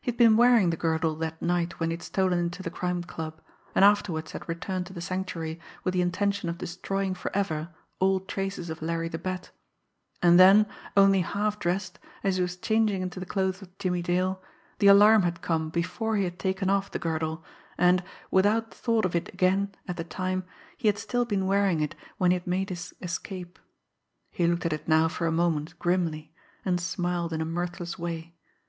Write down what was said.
He had been wearing the girdle that night when he had stolen into the Crime Club, and afterwards had returned to the Sanctuary with the intention of destroying forever all traces of Larry the Bat; and then, only half dressed, as he was changing into the clothes of Jimmie Dale, the alarm had come before he had taken off the girdle, and, without thought of it again at the time, he had still been wearing it when he had made his escape. He looked at it now for a moment grimly and smiled in a mirthless way.